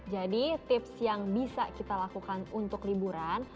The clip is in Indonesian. jadi tips yang bisa kita lakukan untuk liburan